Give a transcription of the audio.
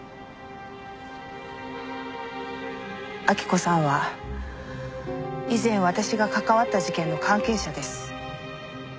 晃子さんは以前私が関わった事件の関係者です。